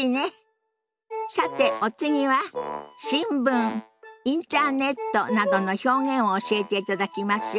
さてお次は「新聞」「インターネット」などの表現を教えていただきますよ。